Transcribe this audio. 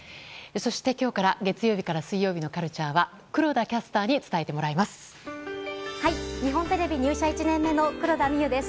そして、今日から月曜日から水曜日のカルチャーは黒田キャスターに伝えてもらいます。